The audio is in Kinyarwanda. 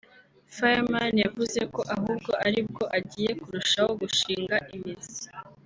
Fireman yavuze ko ahubwo ari bwo agiye kurushaho gushinga imizi